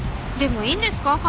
でもいいんですか？